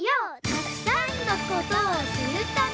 「たくさんの事をするために」